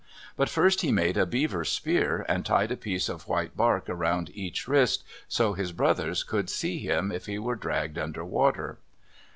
But first he made a beaver spear, and tied a piece of white bark around each wrist so his brothers could see him, if he were dragged under water.